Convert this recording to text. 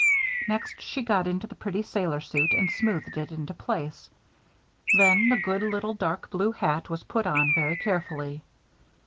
Next she got into the pretty sailor suit and smoothed it into place. Then the good little dark blue hat was put on very carefully.